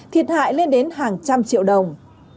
thiệt hại lên đến hàng trăm triệu đồng